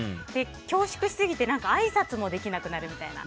恐縮しすぎてあいさつもできなくなるみたいな。